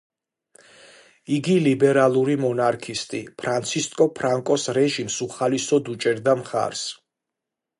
იყო ლიბერალური მონარქისტი, ფრანცისკო ფრანკოს რეჟიმს უხალისოდ უჭერდა მხარს.